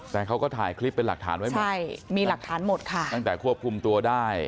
แต่เขาก็ถ่ายคลิปเป็นหลักฐานไว้หมดใช่มีหลักฐานหมดค่ะตั้งแต่ควบคุมตัวได้